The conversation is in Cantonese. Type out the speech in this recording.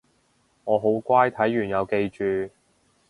我好乖睇完有記住